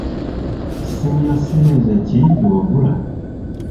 Ssimu ya sseereza ki gye wagula?